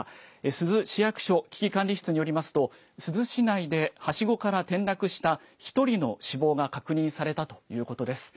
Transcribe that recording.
珠洲市役所危機管理室によりますと珠洲市内で、はしごから転落した１人の死亡が確認されたということです。